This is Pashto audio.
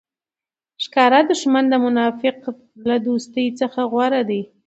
ښکاره دوښمن د منافق له دوستۍ څخه غوره دئ!